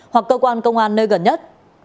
hoặc cơ quan công an nơi gần nhất